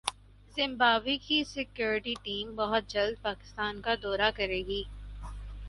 Zimbabwe کی security team بہت جلد پاکستان کا دورہ کریگی